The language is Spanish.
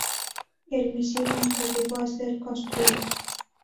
El misil nunca llegó a ser construido.